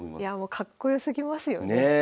かっこよすぎますよね。ね。